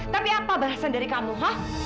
tapi apa bahasan dari kamu hah